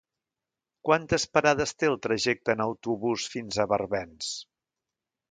Quantes parades té el trajecte en autobús fins a Barbens?